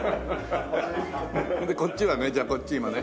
それでこっちはねじゃあこっち今ね。